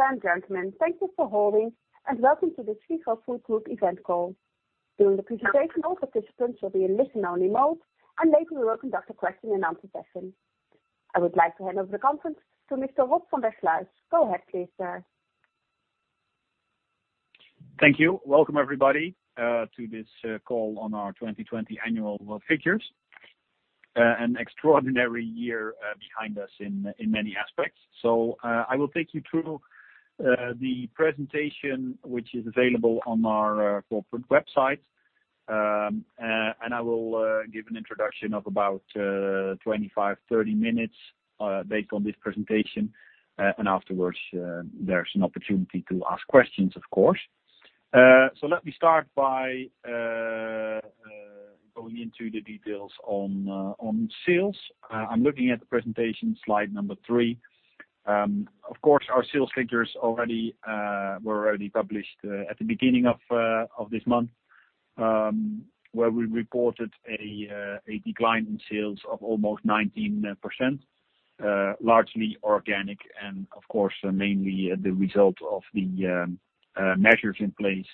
Ladies and gentlemen, thank you for holding, and welcome to the Sligro Food Group event call. During the presentation, all participants will be in listen-only mode, and later we will conduct a question and answer session. I would like to hand over the conference to Mr. Rob van der Sluijs. Go ahead, please, sir. Thank you. Welcome everybody to this call on our 2020 annual figures. An extraordinary year behind us in many aspects. I will take you through the presentation, which is available on our corporate website. I will give an introduction of about 25, 30 minutes based on this presentation, and afterwards, there's an opportunity to ask questions, of course. Let me start by going into the details on sales. I'm looking at the presentation, slide number three. Of course, our sales figures were already published at the beginning of this month, where we reported a decline in sales of almost 19%, largely organic, and of course, mainly the result of the measures in place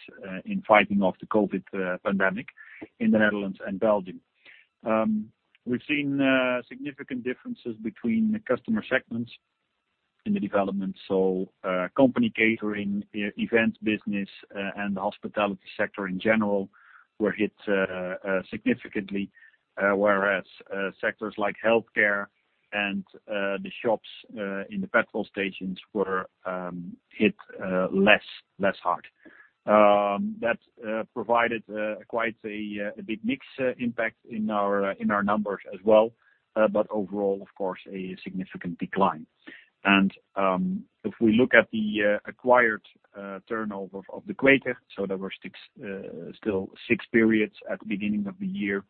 in fighting off the COVID pandemic in the Netherlands and Belgium. We've seen significant differences between customer segments in the development. Company catering, event business, and the hospitality sector in general were hit significantly, whereas sectors like healthcare and the shops in the petrol stations were hit less hard. That provided quite a big mix impact in our numbers as well. Overall, of course, a significant decline. If we look at the acquired turnover of De Kweker, so there were still six periods at the beginning of the year,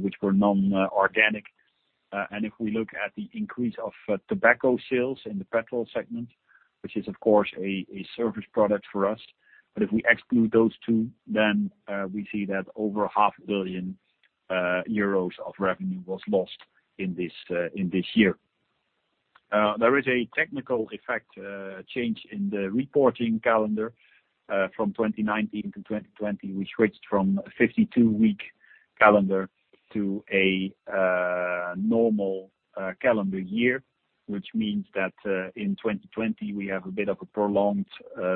which were non-organic. If we look at the increase of tobacco sales in the petrol segment, which is of course a service product for us, but if we exclude those two, then we see that over a half billion EUR of revenue was lost in this year. There is a technical effect, change in the reporting calendar from 2019 to 2020. We switched from a 52-week calendar to a normal calendar year, which means that in 2020 we have a bit of a prolonged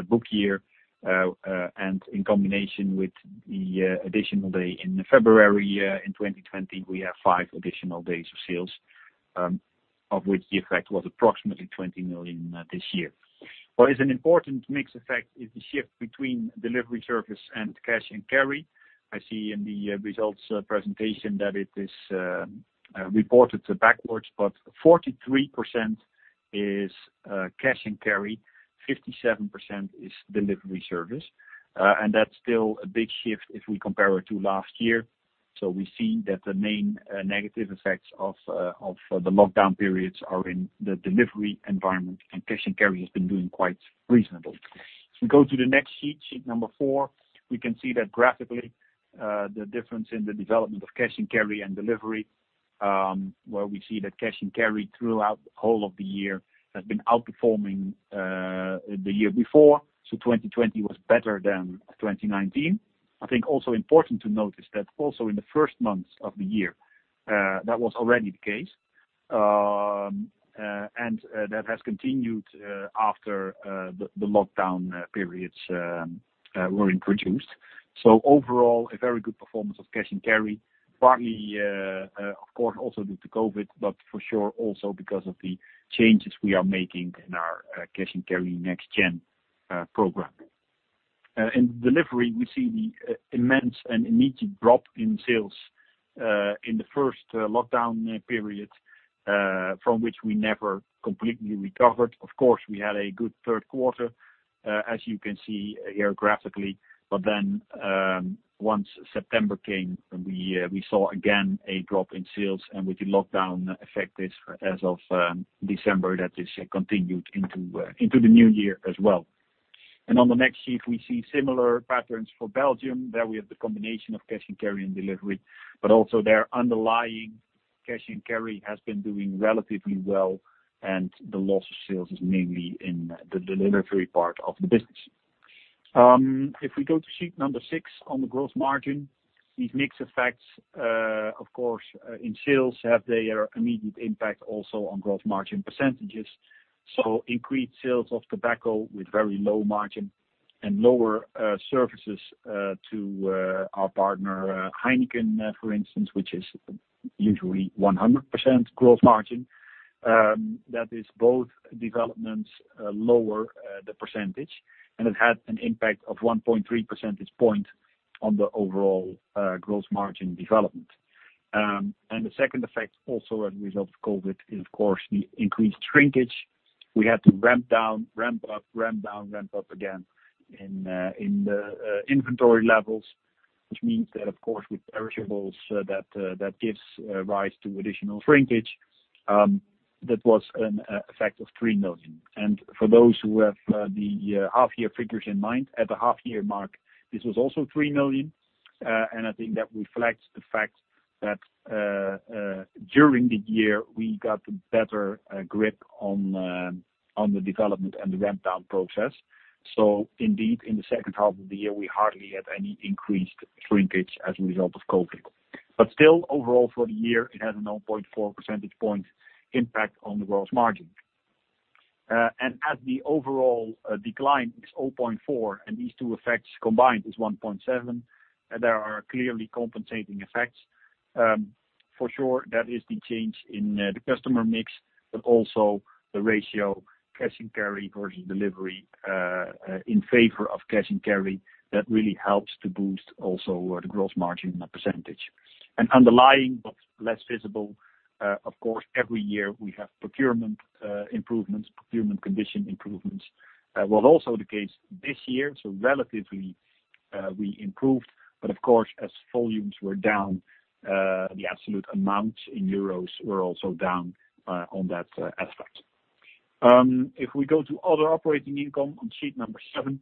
book year, and in combination with the additional day in the February in 2020, we have five additional days of sales, of which the effect was approximately 20 million this year. What is an important mix effect is the shift between delivery service and cash and carry. I see in the results presentation that it is reported backwards, 43% is cash and carry, 57% is delivery service. That's still a big shift if we compare it to last year. We see that the main negative effects of the lockdown periods are in the delivery environment and cash and carry has been doing quite reasonable. If we go to the next sheet number four, we can see that graphically, the difference in the development of cash and carry and delivery, where we see that cash and carry throughout the whole of the year has been outperforming the year before. 2020 was better than 2019. I think also important to notice that also in the first months of the year, that was already the case. That has continued after the lockdown periods were introduced. Overall, a very good performance of cash and carry, partly, of course, also due to COVID, but for sure also because of the changes we are making in our cash and carry next gen program. In delivery, we see the immense and immediate drop in sales in the first lockdown period, from which we never completely recovered. We had a good third quarter, as you can see here graphically. Once September came, we saw again a drop in sales and with the lockdown effect as of December, that this continued into the new year as well. On the next sheet, we see similar patterns for Belgium. There we have the combination of cash and carry and delivery, also their underlying cash and carry has been doing relatively well, the loss of sales is mainly in the delivery part of the business. If we go to sheet number six on the gross margin, these mix effects, of course, in sales have their immediate impact also on gross margin %. Increased sales of tobacco with very low margin and lower services to our partner HEINEKEN, for instance, which is usually 100% gross margin. That is both developments lower the percentage, and it had an impact of 1.3 percentage point on the overall gross margin development. The second effect, also as a result of COVID, is of course the increased shrinkage. We had to ramp down, ramp up, ramp down, ramp up again in the inventory levels, which means that, of course, with perishables, that gives rise to additional shrinkage. That was an effect of 3 million. For those who have the half-year figures in mind, at the half-year mark, this was also 3 million. I think that reflects the fact that during the year, we got a better grip on the development and the ramp-down process. Indeed, in the second half of the year, we hardly had any increased shrinkage as a result of COVID. Still, overall for the year, it had a 0.4 percentage point impact on the gross margin. As the overall decline is 0.4 and these two effects combined is 1.7, there are clearly compensating effects. For sure, that is the change in the customer mix, but also the ratio cash and carry versus delivery in favor of cash and carry that really helps to boost also the gross margin percentage. Underlying but less visible, of course, every year we have procurement improvements, procurement condition improvements. It was also the case this year, relatively, we improved. Of course, as volumes were down, the absolute amounts in EUR were also down on that aspect. If we go to other operating income on sheet number seven,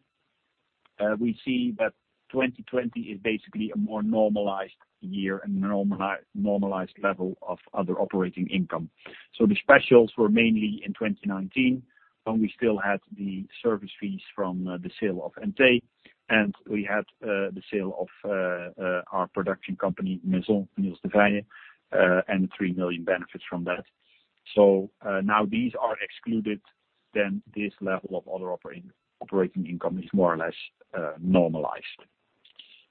we see that 2020 is basically a more normalized year and normalized level of other operating income. The specials were mainly in 2019 when we still had the service fees from the sale of EMTÉ and we had the sale of our production company, Maison Niels de Veye, and 3 million benefits from that. Now these are excluded, then this level of other operating income is more or less normalized.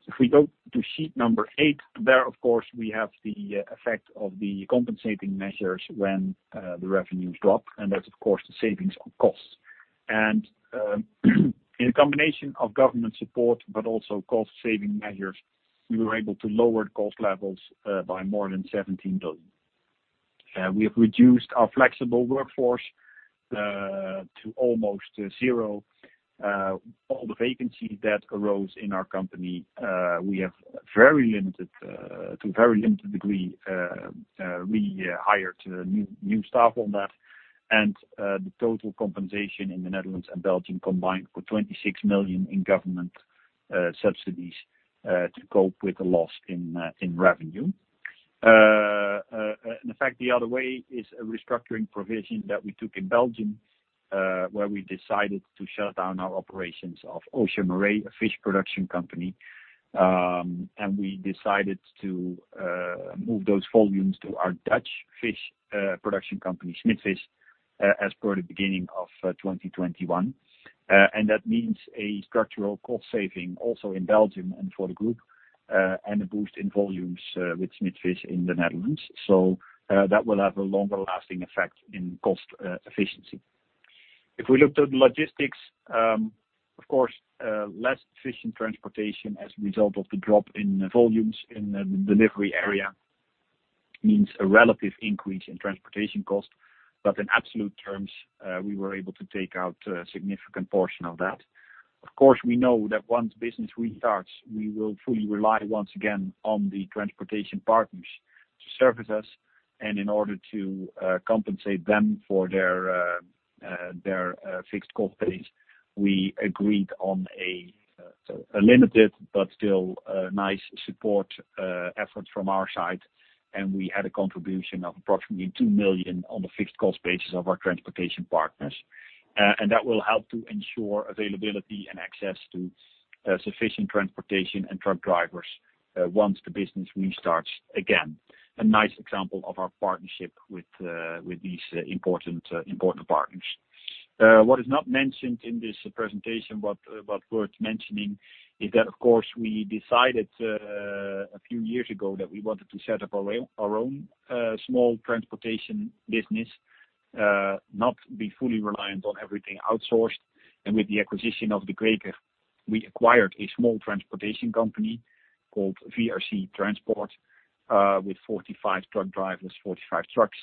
If we go to sheet number eight, there, of course, we have the effect of the compensating measures when the revenues drop, and that's of course, the savings on costs. In combination of government support, but also cost saving measures, we were able to lower cost levels by more than 17 million. We have reduced our flexible workforce to almost zero. All the vacancies that arose in our company, to very limited degree, we hired new staff on that. The total compensation in the Netherlands and Belgium combined for 26 million in government subsidies to cope with the loss in revenue. In fact, the other way is a restructuring provision that we took in Belgium, where we decided to shut down our operations of Océan Marée, a fish production company, and we decided to move those volumes to our Dutch fish production company, SmitVis, as per the beginning of 2021. That means a structural cost saving also in Belgium and for the group, and a boost in volumes with SmitVis in the Netherlands. That will have a longer lasting effect in cost efficiency. If we look to the logistics, of course, less efficient transportation as a result of the drop in volumes in the delivery area means a relative increase in transportation cost. In absolute terms, we were able to take out a significant portion of that. Of course, we know that once business restarts, we will fully rely once again on the transportation partners to service us. In order to compensate them for their fixed cost base, we agreed on a limited but still nice support effort from our side, and we had a contribution of approximately 2 million on the fixed cost basis of our transportation partners. That will help to ensure availability and access to sufficient transportation and truck drivers once the business restarts again. A nice example of our partnership with these important partners. What is not mentioned in this presentation, but worth mentioning is that, of course, we decided a few years ago that we wanted to set up our own small transportation business, not be fully reliant on everything outsourced. With the acquisition of De Kweker, we acquired a small transportation company called VRC Transport, with 45 truck drivers, 45 trucks.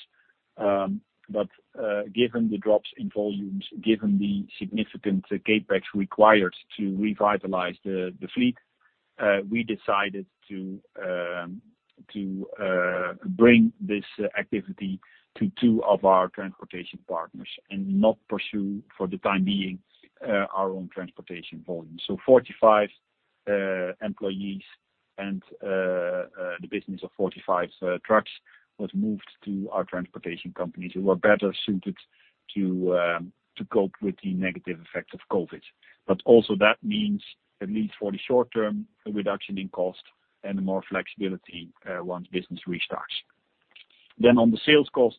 Given the drops in volumes, given the significant CapEx required to revitalize the fleet, we decided to bring this activity to two of our transportation partners and not pursue, for the time being, our own transportation volume. 45 employees and the business of 45 trucks was moved to our transportation companies who are better suited to cope with the negative effects of COVID. Also that means, at least for the short term, a reduction in cost and more flexibility once business restarts. On the sales cost,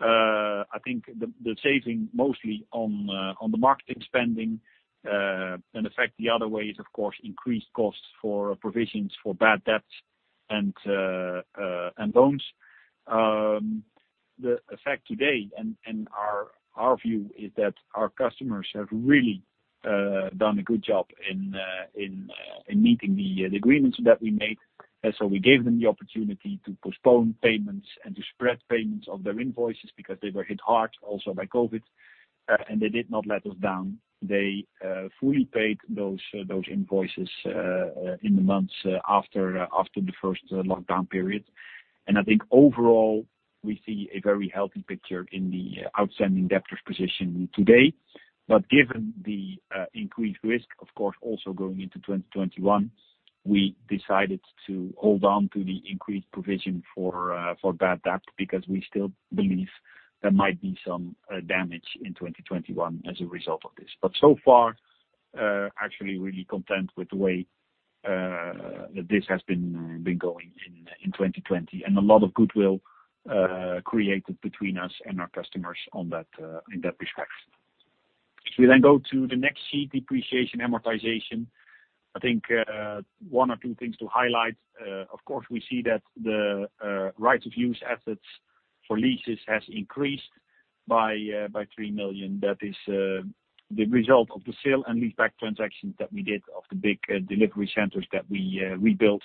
I think the saving mostly on the marketing spending and effect the other way is, of course, increased costs for provisions for bad debts and loans. The effect today and our view is that our customers have really done a good job in meeting the agreements that we made. We gave them the opportunity to postpone payments and to spread payments of their invoices because they were hit hard also by COVID, and they did not let us down. They fully paid those invoices in the months after the first lockdown period. And I think overall, we see a very healthy picture in the outstanding debtors position today. Given the increased risk, of course, also going into 2021, we decided to hold on to the increased provision for bad debt, because we still believe there might be some damage in 2021 as a result of this. So far, actually really content with the way that this has been going in 2020, and a lot of goodwill created between us and our customers in that respect. If we then go to the next sheet, depreciation, amortization. I think one or two things to highlight. Of course, we see that the right of use assets for leases has increased by 3 million. That is the result of the sale and lease back transactions that we did of the big delivery centers that we built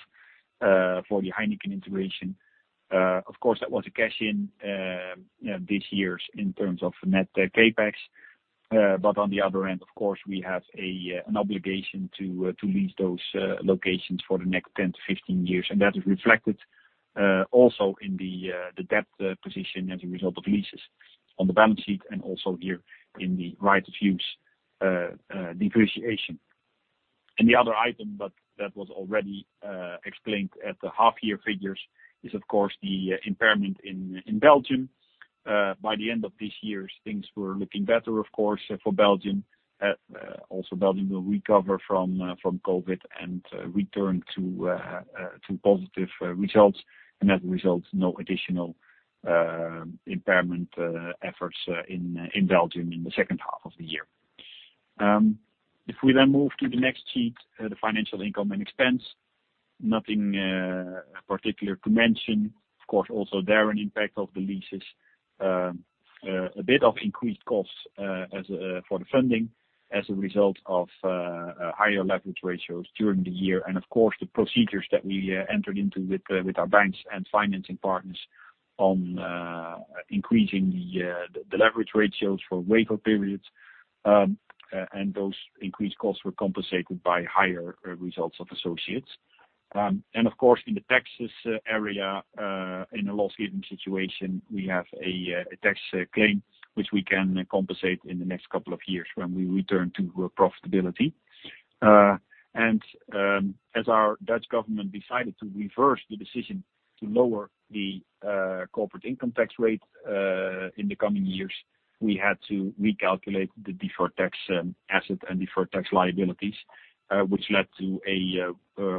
for the HEINEKEN integration. Of course, that was a cash-in this year in terms of net CapEx. On the other end, of course, we have an obligation to lease those locations for the next 10-15 years. That is reflected also in the debt position as a result of leases on the balance sheet and also here in the right of use depreciation. The other item, but that was already explained at the half year figures, is of course the impairment in Belgium. By the end of this year, things were looking better, of course, for Belgium. Also Belgium will recover from COVID and return to positive results. As a result, no additional impairment efforts in Belgium in the second half of the year. If we then move to the next sheet, the financial income and expense, nothing particular to mention. Of course, also there an impact of the leases. A bit of increased costs for the funding as a result of higher leverage ratios during the year. Of course, the procedures that we entered into with our banks and financing partners on increasing the leverage ratios for waiver periods, and those increased costs were compensated by higher results of associates. Of course, in the taxes area, in a loss-giving situation, we have a tax claim which we can compensate in the next couple of years when we return to profitability. As our Dutch government decided to reverse the decision to lower the corporate income tax rate in the coming years, we had to recalculate the deferred tax asset and deferred tax liabilities, which led to a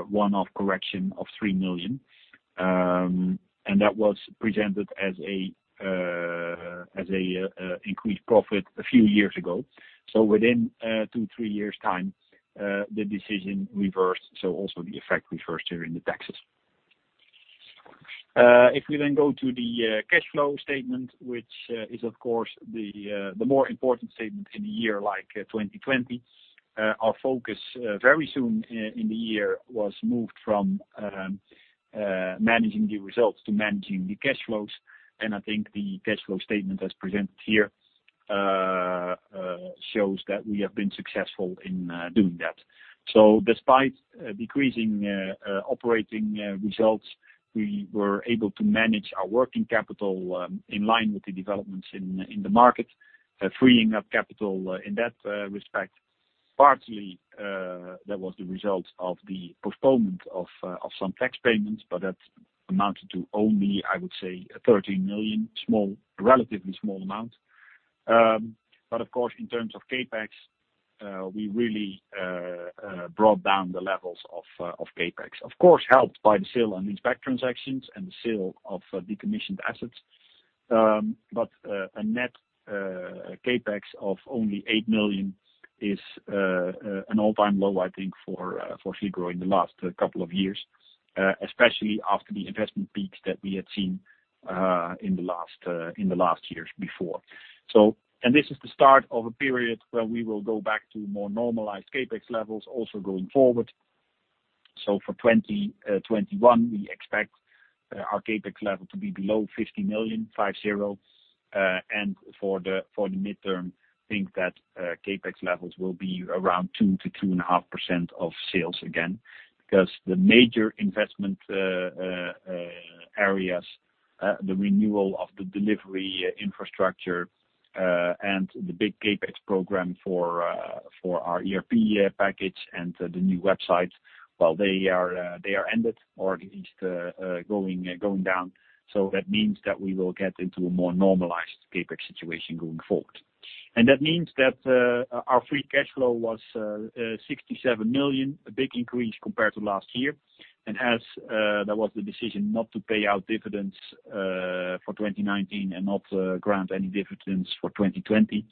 one-off correction of 3 million. That was presented as an increased profit a few years ago. Within two, three years' time, the decision reversed. Also the effect reversed here in the taxes. If we then go to the cash flow statement, which is of course the more important statement in a year like 2020. Our focus very soon in the year was moved from managing the results to managing the cash flows. I think the cash flow statement as presented here shows that we have been successful in doing that. Despite decreasing operating results, we were able to manage our working capital in line with the developments in the market, freeing up capital in that respect. Partly, that was the result of the postponement of some tax payments, but that amounted to only, I would say, 13 million, relatively small amount. Of course, in terms of CapEx, we really brought down the levels of CapEx. Of course, helped by the sale and lease back transactions and the sale of decommissioned assets. A net CapEx of only 8 million is an all-time low, I think, for Sligro in the last couple of years, especially after the investment peaks that we had seen in the last years before. This is the start of a period where we will go back to more normalized CapEx levels also going forward. For 2021, we expect our CapEx level to be below 50 million. For the midterm, think that CapEx levels will be around 2%-2.5% of sales again, because the major investment areas, the renewal of the delivery infrastructure and the big CapEx program for our ERP package and the new websites, while they are ended or at least going down. That means that we will get into a more normalized CapEx situation going forward. That means that our free cash flow was 67 million, a big increase compared to last year. As there was the decision not to pay out dividends for 2019 and not grant any dividends for 2020,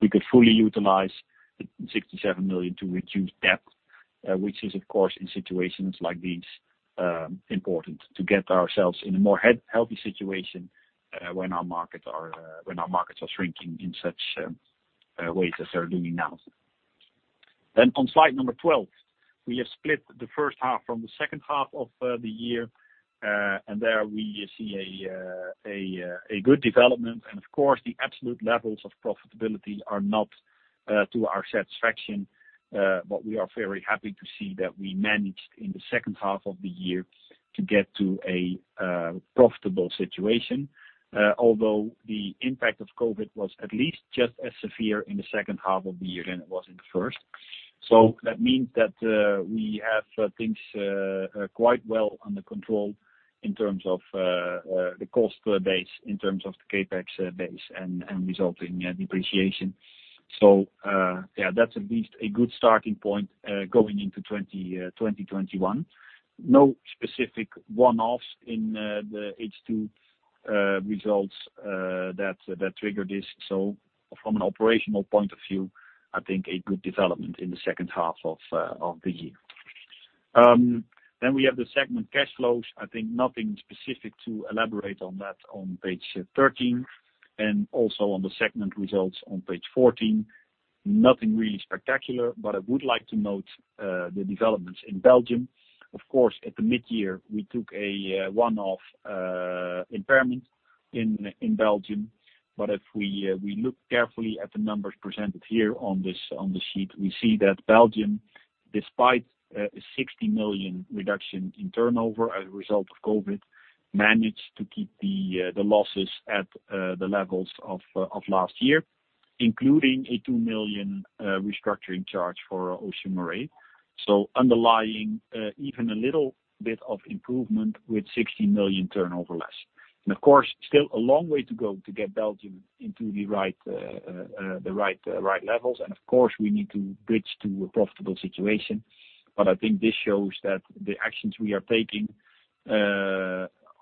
we could fully utilize the 67 million to reduce debt, which is, of course, in situations like these, important to get ourselves in a more healthy situation when our markets are shrinking in such ways as they're doing now. On slide number 12, we have split the first half from the second half of the year, and there we see a good development. Of course, the absolute levels of profitability are not to our satisfaction, but we are very happy to see that we managed in the second half of the year to get to a profitable situation. Although the impact of COVID was at least just as severe in the second half of the year than it was in the first. That means that we have things quite well under control in terms of the cost base, in terms of the CapEx base, and result in depreciation. That's at least a good starting point, going into 2021. No specific one-offs in the H2 results that triggered this. From an operational point of view, I think a good development in the second half of the year. We have the segment cash flows. I think nothing specific to elaborate on that on page 13. Also on the segment results on page 14. Nothing really spectacular. I would like to note the developments in Belgium. Of course, at the mid-year, we took a one-off impairment in Belgium. If we look carefully at the numbers presented here on the sheet, we see that Belgium, despite a 60 million reduction in turnover as a result of COVID, managed to keep the losses at the levels of last year, including a 2 million restructuring charge for Océan Marée. Underlying, even a little bit of improvement with 60 million turnover less. Of course, still a long way to go to get Belgium into the right levels. Of course, we need to bridge to a profitable situation. I think this shows that the actions we are taking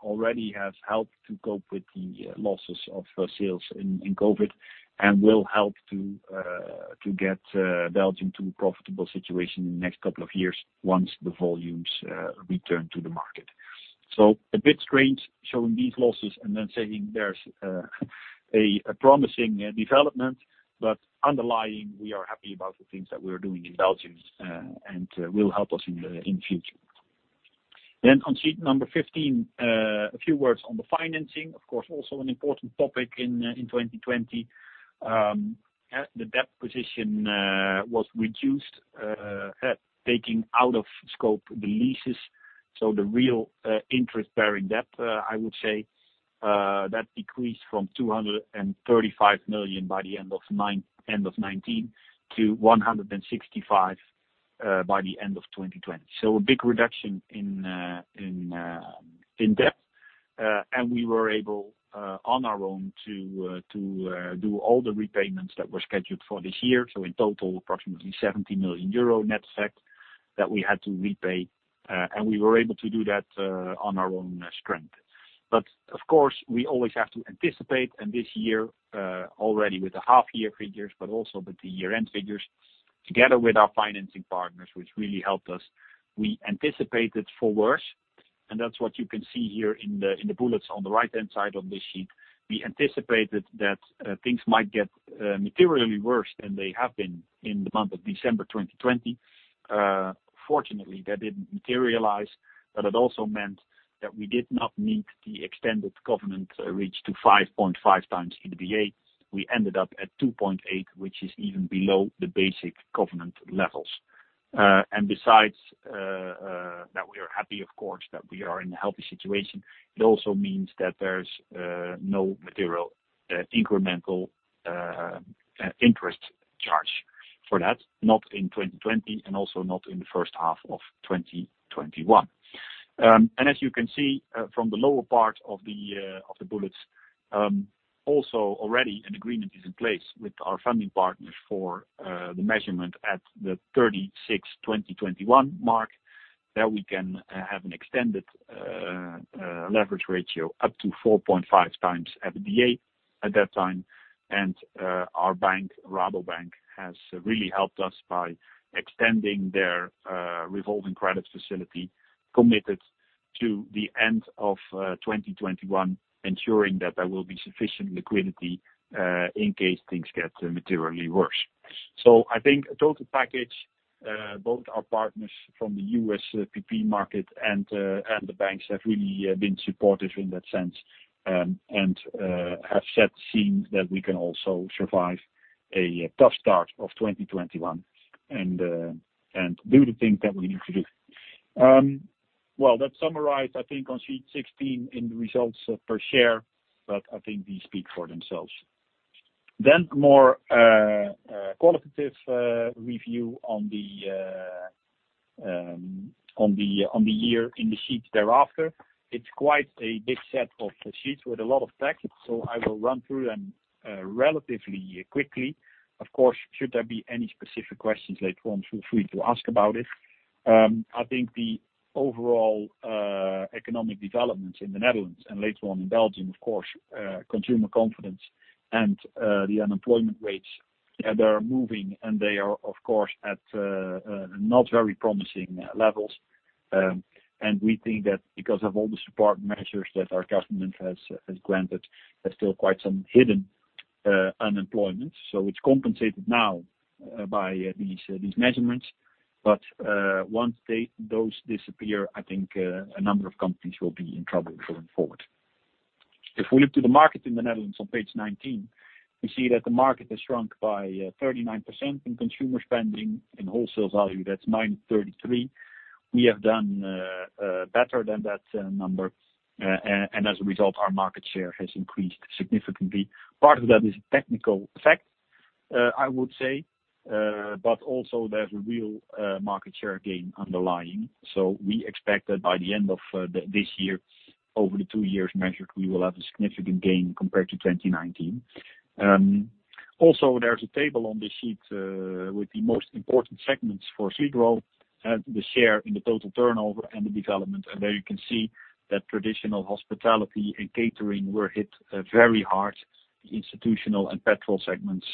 already have helped to cope with the losses of sales in COVID and will help to get Belgium to a profitable situation in the next couple of years, once the volumes return to the market. A bit strange showing these losses and then saying there's a promising development. Underlying, we are happy about the things that we are doing in Belgium and will help us in future. On sheet number 15, a few words on the financing, of course, also an important topic in 2020. The debt position was reduced, taking out of scope the leases. The real interest-bearing debt, I would say, that decreased from 235 million by the end of 2019 to 165 million by the end of 2020. A big reduction in debt. We were able, on our own, to do all the repayments that were scheduled for this year. In total, approximately 70 million euro net effect that we had to repay, and we were able to do that on our own strength. Of course, we always have to anticipate, and this year, already with the half-year figures, but also with the year-end figures, together with our financing partners, which really helped us. We anticipated for worse, and that's what you can see here in the bullets on the right-hand side of this sheet. We anticipated that things might get materially worse than they have been in the month of December 2020. Fortunately, that didn't materialize, but it also meant that we did not meet the extended covenant reach to 5.5x EBITDA. We ended up at 2.8, which is even below the basic covenant levels. Besides that, we are happy, of course, that we are in a healthy situation. It also means that there's no material incremental interest charge for that, not in 2020 and also not in the first half of 2021. As you can see from the lower part of the bullets, also already an agreement is in place with our funding partners for the measurement at the 30-6 2021 mark, that we can have an extended leverage ratio up to 4.5x EBITDA at that time. Our bank, Rabobank, has really helped us by extending their revolving credit facility committed to the end of 2021, ensuring that there will be sufficient liquidity in case things get materially worse. I think a total package, both our partners from the USPP market and the banks have really been supportive in that sense and have set scenes that we can also survive a tough start of 2021 and do the things that we need to do. That summarized, I think on sheet 16 in the results per share, I think these speak for themselves. More qualitative review on the year in the sheets thereafter. It's quite a big set of sheets with a lot of text, I will run through them relatively quickly. Of course, should there be any specific questions later on, feel free to ask about it. I think the overall economic developments in the Netherlands and later on in Belgium, of course, consumer confidence and the unemployment rates, they are moving, they are, of course, at not very promising levels. We think that because of all the support measures that our government has granted, there's still quite some hidden unemployment. It's compensated now by these measurements. Once those disappear, I think a number of companies will be in trouble going forward. If we look to the market in the Netherlands on page 19, we see that the market has shrunk by 39% in consumer spending. In wholesale value, that's 933 million. We have done better than that number, and as a result, our market share has increased significantly. Part of that is a technical effect, I would say, but also there's a real market share gain underlying. We expect that by the end of this year, over the two years measured, we will have a significant gain compared to 2019. Also there's a table on this sheet with the most important segments for Sligro and the share in the total turnover and the development. There you can see that traditional hospitality and catering were hit very hard, the institutional and petrol segments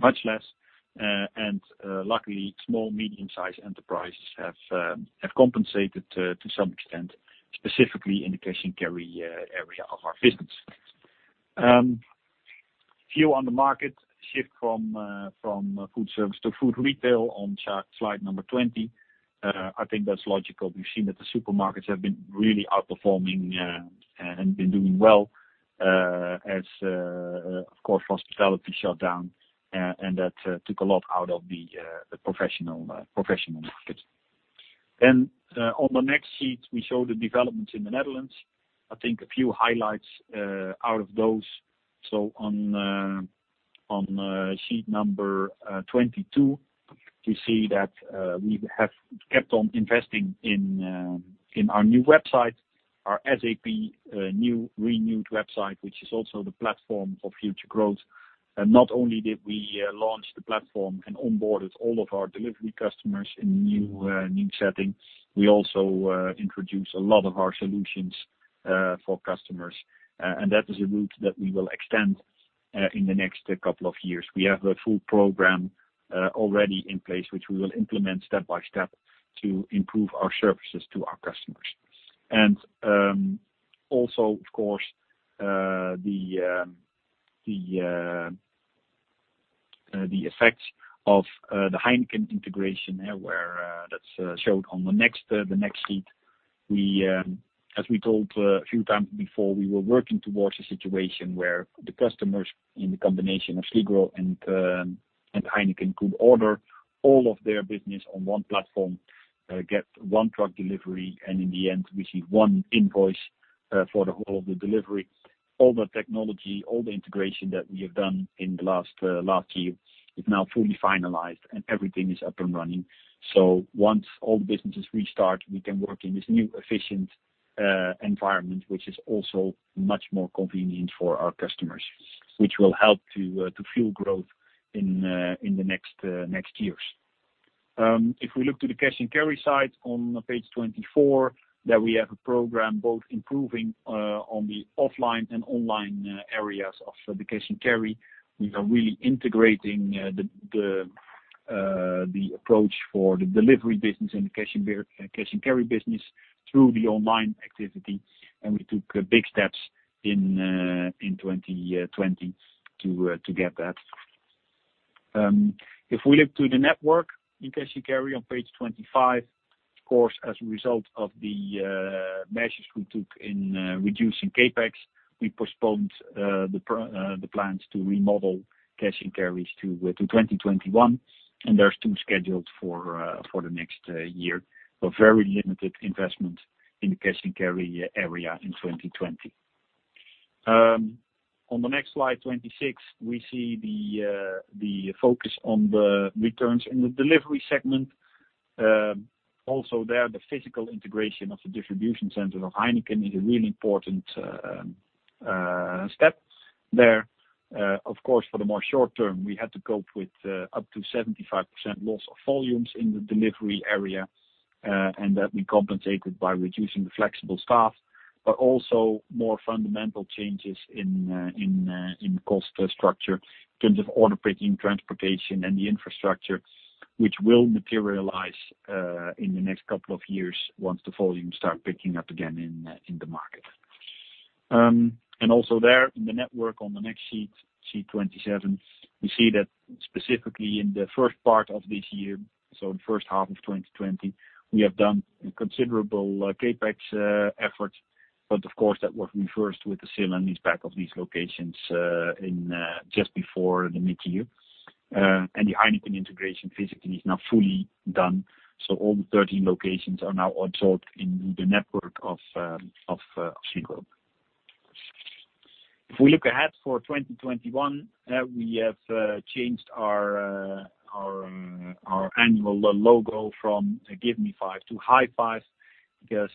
much less. Luckily, small, medium-sized enterprises have compensated to some extent, specifically in the cash-and-carry area of our business. A few on the market shift from food service to food retail on slide number 20. I think that's logical. We've seen that the supermarkets have been really outperforming and been doing well as, of course, hospitality shut down, and that took a lot out of the professional market. On the next sheet, we show the developments in the Netherlands. I think a few highlights out of those. On sheet number 22, we see that we have kept on investing in our new website, our SAP renewed website, which is also the platform for future growth. Not only did we launch the platform and onboarded all of our delivery customers in new settings, we also introduced a lot of our solutions for customers. That is a route that we will extend in the next couple of years. We have a full program already in place, which we will implement step by step to improve our services to our customers. Also, of course, the effects of the HEINEKEN integration there, that's showed on the next sheet. As we told a few times before, we were working towards a situation where the customers in the combination of Sligro and HEINEKEN could order all of their business on one platform, get one truck delivery, and in the end, receive one invoice for the whole of the delivery. All the technology, all the integration that we have done in the last year is now fully finalized and everything is up and running. Once all the businesses restart, we can work in this new efficient environment, which is also much more convenient for our customers, which will help to fuel growth in the next years. If we look to the cash-and-carry side on page 24, there we have a program both improving on the offline and online areas of the cash and carry. We are really integrating the approach for the delivery business and the cash and carry business through the online activity, and we took big steps in 2020 to get that. If we look to the network in cash and carry on page 25, of course, as a result of the measures we took in reducing CapEx, we postponed the plans to remodel cash and carries to 2021. There's two scheduled for the next year. Very limited investment in the cash and carry area in 2020. On the next slide, 26, we see the focus on the returns in the delivery segment. Also there, the physical integration of the distribution center of HEINEKEN is a really important step there. Of course, for the more short term, we had to cope with up to 75% loss of volumes in the delivery area, and that we compensated by reducing the flexible staff, but also more fundamental changes in cost structure in terms of order picking, transportation, and the infrastructure, which will materialize in the next couple of years once the volumes start picking up again in the market. Also there in the network on the next sheet 27, we see that specifically in the first part of this year, so the first half of 2020, we have done considerable CapEx efforts, but of course, that was reversed with the sale and lease back of these locations just before the mid-year. The HEINEKEN integration physically is now fully done, so all the 13 locations are now absorbed in the network of Sligro. If we look ahead for 2021, we have changed our annual logo from Give Me Five to High Five, because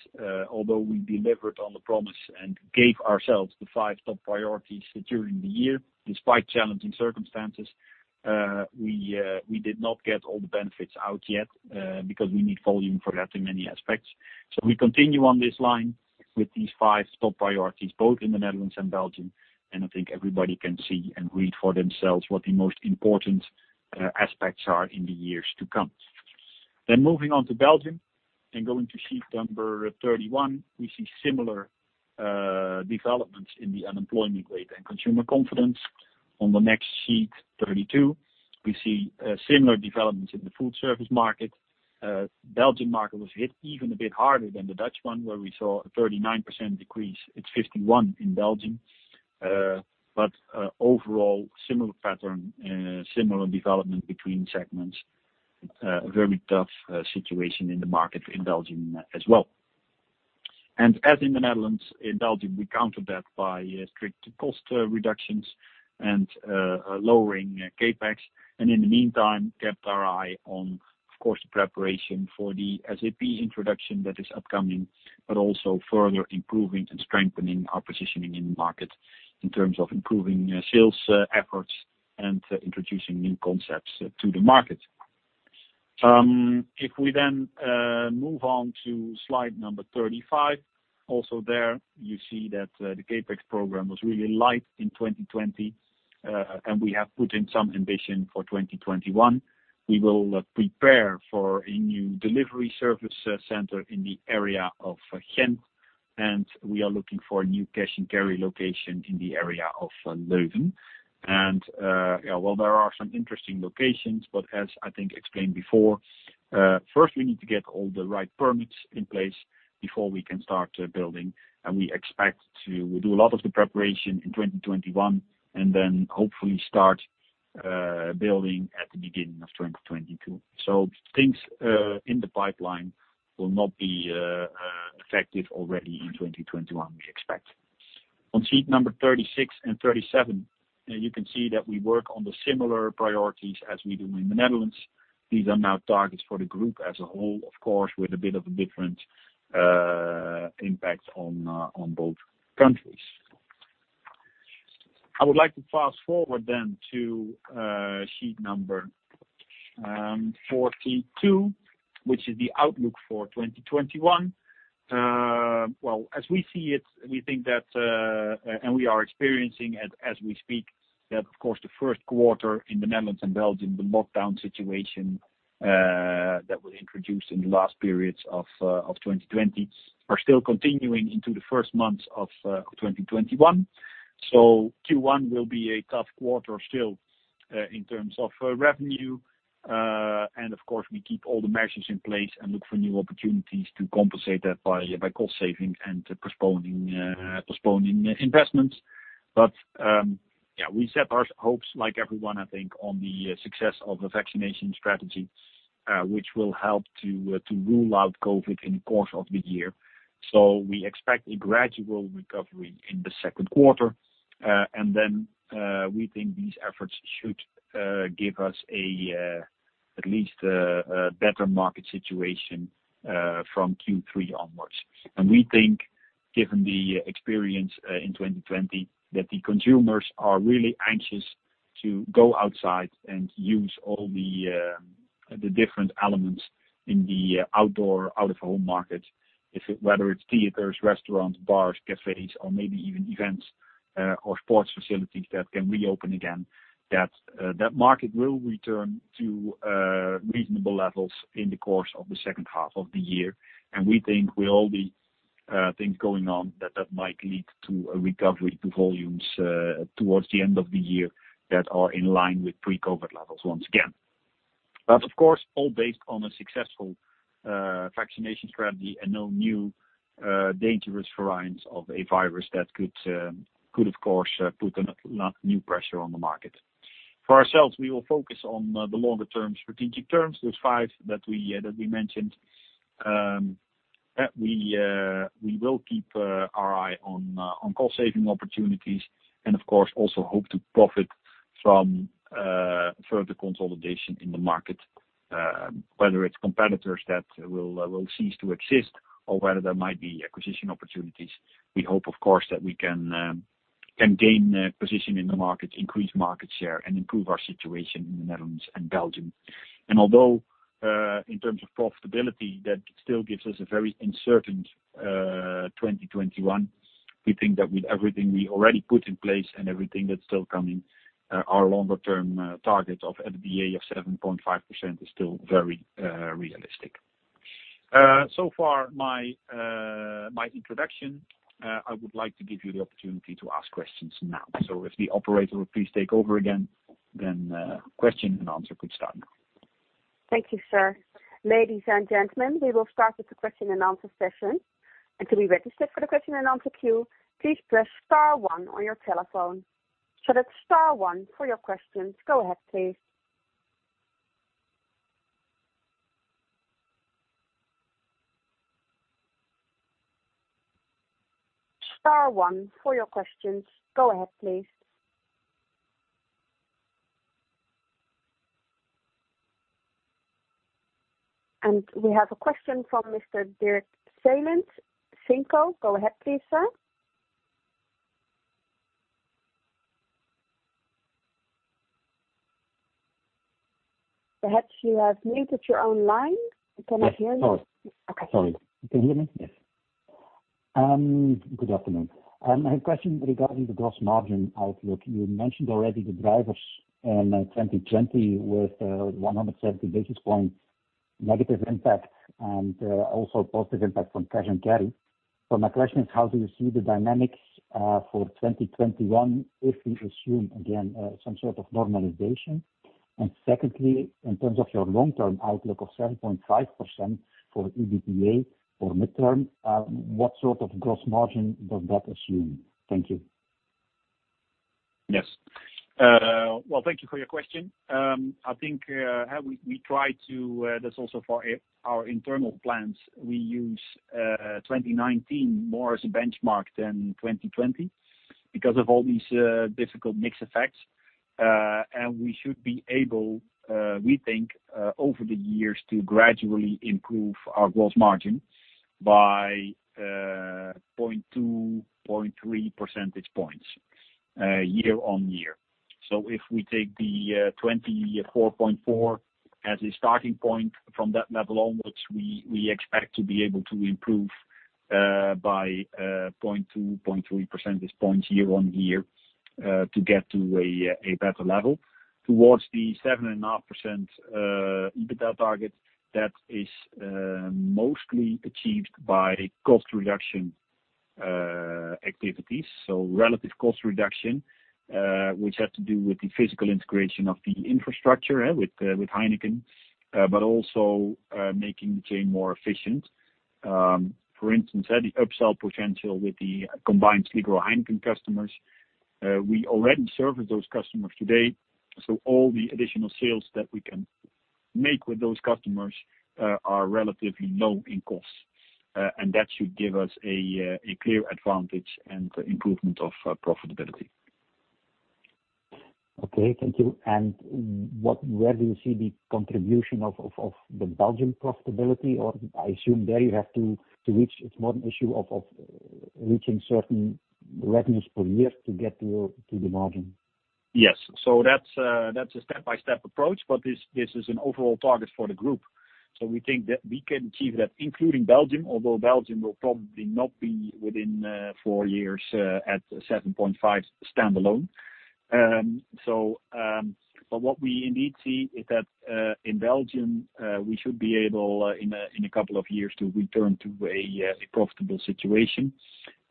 although we delivered on the promise and gave ourselves the five top priorities during the year, despite challenging circumstances, we did not get all the benefits out yet, because we need volume for that in many aspects. We continue on this line with these five top priorities, both in the Netherlands and Belgium, and I think everybody can see and read for themselves what the most important aspects are in the years to come. Moving on to Belgium and going to sheet number 31, we see similar developments in the unemployment rate and consumer confidence. On the next sheet 32, we see similar developments in the foodservice market. Belgian market was hit even a bit harder than the Dutch one, where we saw a 39% decrease. It's 51% in Belgium. Overall, similar pattern, similar development between segments. A very tough situation in the market in Belgium as well. As in the Netherlands, in Belgium, we countered that by strict cost reductions and lowering CapEx, and in the meantime, kept our eye on, of course, the preparation for the SAP introduction that is upcoming, but also further improving and strengthening our positioning in the market in terms of improving sales efforts and introducing new concepts to the market. If we move on to slide number 35, also there you see that the CapEx program was really light in 2020, and we have put in some ambition for 2021. We will prepare for a new delivery service center in the area of Ghent, and we are looking for a new cash and carry location in the area of Leuven. Well, there are some interesting locations, but as I think explained before, first we need to get all the right permits in place before we can start building. We expect to do a lot of the preparation in 2021, and then hopefully start building at the beginning of 2022. Things in the pipeline will not be effective already in 2021, we expect. On sheet number 36 and 37, you can see that we work on the similar priorities as we do in the Netherlands. These are now targets for the group as a whole, of course, with a bit of a different impact on both countries. I would like to fast-forward then to sheet number 42, which is the outlook for 2021. Well, as we see it, we think that, and we are experiencing as we speak, that, of course, the first quarter in the Netherlands and Belgium, the lockdown situation that was introduced in the last periods of 2020 are still continuing into the first months of 2021. Q1 will be a tough quarter still in terms of revenue. Of course, we keep all the measures in place and look for new opportunities to compensate that by cost saving and postponing investments. We set our hopes, like everyone, I think, on the success of the vaccination strategy, which will help to rule out COVID in the course of the year. We expect a gradual recovery in the second quarter, and then we think these efforts should give us at least a better market situation from Q3 onwards. We think, given the experience in 2020, that the consumers are really anxious to go outside and use all the different elements in the outdoor, out-of-home market. Whether it's theaters, restaurants, bars, cafes, or maybe even events or sports facilities that can reopen again, that market will return to reasonable levels in the course of the second half of the year. We think with all the things going on that that might lead to a recovery to volumes towards the end of the year that are in line with pre-COVID levels once again. Of course, all based on a successful vaccination strategy and no new dangerous variants of a virus that could, of course, put a new pressure on the market. For ourselves, we will focus on the longer-term strategic terms, those five that we mentioned. We will keep our eye on cost-saving opportunities and, of course, also hope to profit from further consolidation in the market. Whether it's competitors that will cease to exist or whether there might be acquisition opportunities. We hope, of course, that we can gain a position in the market, increase market share, and improve our situation in the Netherlands and Belgium. Although, in terms of profitability, that still gives us a very uncertain 2021, we think that with everything we already put in place and everything that's still coming, our longer-term target of EBITDA of 7.5% is still very realistic. So far my introduction. I would like to give you the opportunity to ask questions now. If the operator would please take over again, question and answer could start now. Thank you, sir. Ladies and gentlemen, we will start with the question and answer session. To be registered for the question and answer queue, please press star one on your telephone. That's star one for your questions. Go ahead, please. Star one for your questions. Go ahead, please. We have a question from Mr. Dirk Saelens, Fin.co. Go ahead please, sir. Perhaps you have muted your own line. Can I hear you? Sorry. Okay. Sorry. Can you hear me? Yes. Good afternoon. I have a question regarding the gross margin outlook. You mentioned already the drivers in 2020 with 170 basis points. Negative impact and also positive impact from cash and carry. My question is, how do you see the dynamics for 2021 if we assume, again, some sort of normalization? Secondly, in terms of your long-term outlook of 7.5% for EBITDA for midterm, what sort of gross margin does that assume? Thank you. Yes. Well, thank you for your question. I think we try to, that's also for our internal plans, we use 2019 more as a benchmark than 2020 because of all these difficult mix effects. We should be able, we think, over the years to gradually improve our gross margin by 0.2, 0.3 percentage points year-on-year. If we take the 24.4 as a starting point, from that level onwards, we expect to be able to improve by 0.2, 0.3 percentage points year-on-year, to get to a better level. Towards the 7.5% EBITDA target, that is mostly achieved by cost reduction activities. Relative cost reduction, which has to do with the physical integration of the infrastructure with HEINEKEN, but also making the chain more efficient. For instance, the upsell potential with the combined Sligro HEINEKEN customers. We already service those customers today, so all the additional sales that we can make with those customers are relatively low in cost. That should give us a clear advantage and improvement of profitability. Okay, thank you. Where do you see the contribution of the Belgium profitability, or I assume there you have to reach, it's more an issue of reaching certain revenues per year to get to the margin? Yes. That's a step-by-step approach, but this is an overall target for the group. We think that we can achieve that, including Belgium, although Belgium will probably not be within four years at 7.5 standalone. What we indeed see is that in Belgium, we should be able, in a couple of years, to return to a profitable situation.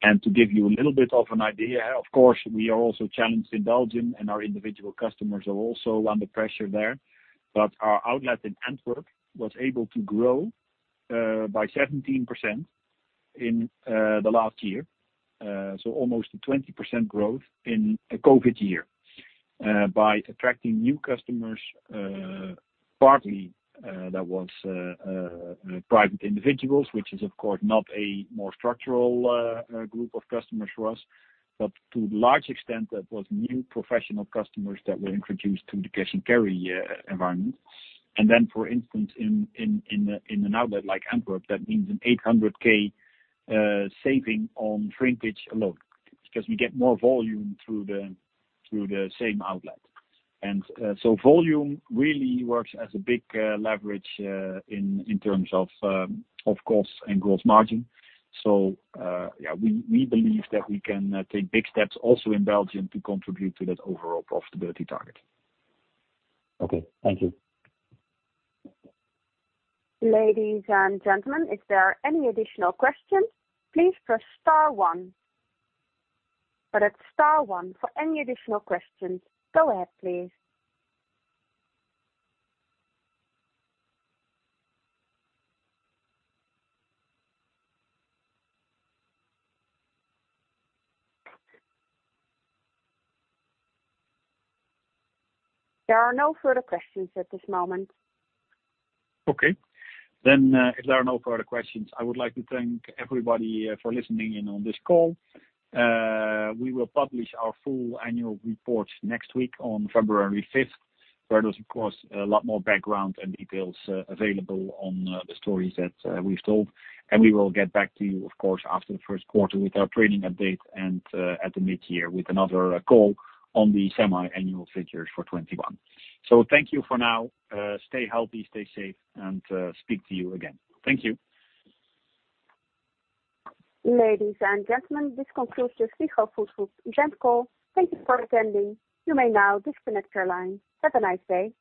To give you a little bit of an idea, of course, we are also challenged in Belgium and our individual customers are also under pressure there. Our outlet in Antwerp was able to grow by 17% in the last year. Almost a 20% growth in a COVID year, by attracting new customers. Partly that was private individuals, which is of course not a more structural group of customers for us. To a large extent, that was new professional customers that were introduced to the cash and carry environment. For instance, in an outlet like Antwerp, that means an 800 thousand saving on shrinkage alone, because we get more volume through the same outlet. Volume really works as a big leverage in terms of costs and gross margin. We believe that we can take big steps also in Belgium to contribute to that overall profitability target. Okay. Thank you. Ladies and gentlemen, if there are any additional questions, please press star one. That's star one for any additional questions. Go ahead, please. There are no further questions at this moment. If there are no further questions, I would like to thank everybody for listening in on this call. We will publish our full annual report next week on February 5th, where there's, of course, a lot more background and details available on the stories that we've told. We will get back to you, of course, after the first quarter with our trading update and at the mid-year with another call on the semi-annual figures for 2021. Thank you for now. Stay healthy, stay safe, and speak to you again. Thank you. Ladies and gentlemen, this concludes your Sligro Food Group earnings call. Thank you for attending. You may now disconnect your line. Have a nice day.